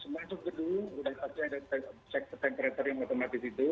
masuk gedung sudah pasti ada temperator yang otomatis itu